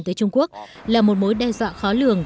tới trung quốc là một mối đe dọa khó lường